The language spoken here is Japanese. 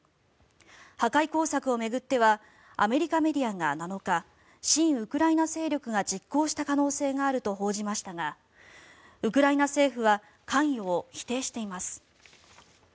破壊工作を巡ってはアメリカメディアが７日親ウクライナ勢力が実行した可能性があると報じましたがウクライナ政府は関与を否定しています。